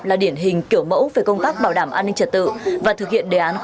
là điển hình kiểu mẫu về công tác bảo đảm an ninh trật tự và thực hiện đề án sáu